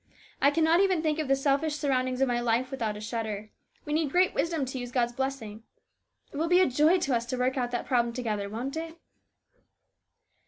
I cannot even think of the selfish surroundings of my life without a shudder. We need great wisdom to use God's blessings. It will be a joy to us to work out the problem together, won't it